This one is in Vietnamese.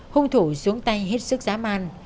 hung thủ xuống tay hết sức giá man